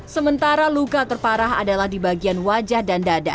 sementara luka terparah adalah di bagian wajah dan dada